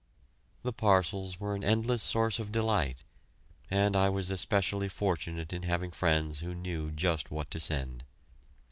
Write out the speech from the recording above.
The parcels were an endless source of delight, and I was especially fortunate in having friends who knew just what to send.